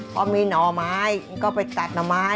พอมีหน่อไม้ก็ไปตัดหน่อไม้